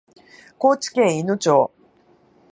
高知県いの町